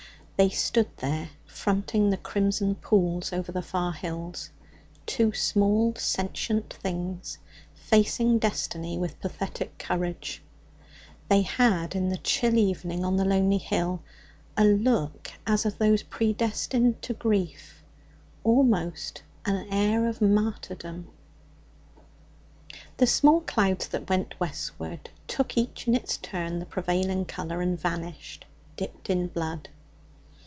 They stood there fronting the crimson pools over the far hills, two small sentient things facing destiny with pathetic courage; they had, in the chill evening on the lonely hill, a look as of those predestined to grief, almost an air of martyrdom. The small clouds that went westward took each in its turn the prevailing colour, and vanished, dipped in blood.